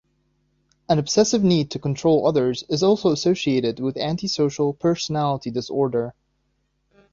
An obsessive need to control others is also associated with antisocial personality disorder.